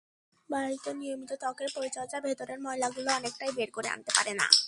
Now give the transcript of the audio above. বাড়িতে নিয়মিত ত্বকের পরিচর্যা ভেতরের ময়লাগুলো অনেকটাই বের করে আনতে পারে না।